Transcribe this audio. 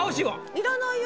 いらないよ。